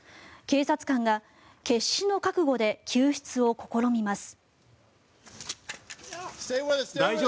警察官が決死の覚悟で救出を試みます。